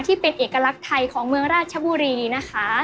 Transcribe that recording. ที่เป็นเอกลักษณ์ไทยของเมืองราชบุรีนะคะ